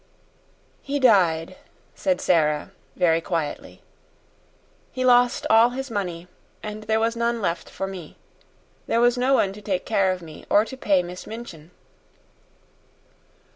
"He died," said Sara, very quietly. "He lost all his money and there was none left for me. There was no one to take care of me or to pay Miss Minchin."